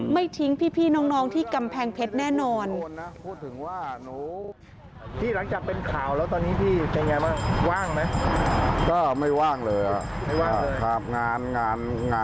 ไม่ทิ้งพี่น้องที่กำแพงเพชรแน่นอน